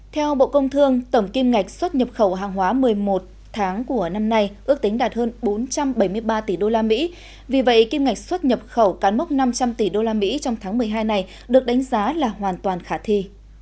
theo bộ công thương tổng kim ngạch xuất nhập khẩu hàng hóa một mươi một tháng của năm nay ước tính đạt hơn bốn trăm bảy mươi ba tỷ usd vì vậy kim ngạch xuất nhập khẩu cán mốc năm trăm linh tỷ usd trong tháng một mươi hai này được đánh giá là hoàn toàn khả thi